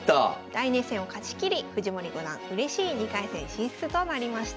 大熱戦を勝ちきり藤森五段うれしい２回戦進出となりました。